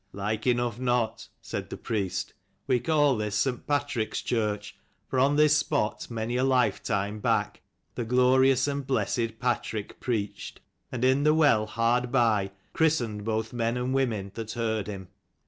"Like enough not," said the priest. "We call this St. Patrick's church, for on this spot many a lifetime back the glorious and blessed Patrick preached: and in the well hard by christened both men and women that heard him.